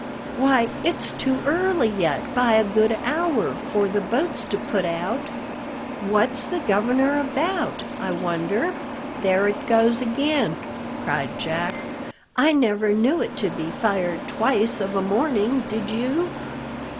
"Why, it's too early yet by a good hour for the boats to put out. What's the governor about, I wonder?" "There it goes again!" cried Jack. "I never knew it to be fired twice of a morning, did you?"